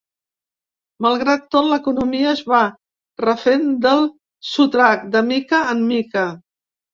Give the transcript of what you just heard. Malgrat tot, l’economia es va refent del sotrac, de mica en mica.